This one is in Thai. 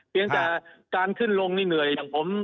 เพียงแต่การขึ้นลงนี่เหนื่อยอย่างผม